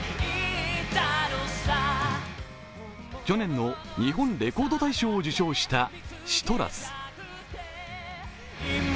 去年の日本レコード大賞を受賞した「ＣＩＴＲＵＳ」。